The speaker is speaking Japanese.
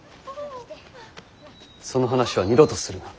その話は二度とするな。